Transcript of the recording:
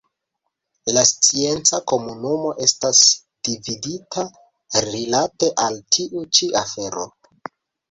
La scienca komunumo estas dividita rilate al tiu ĉi afero.